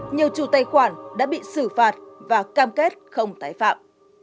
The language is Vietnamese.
nhiều chủ tài khoản đã bị xử phạt và cam kết không tái phạm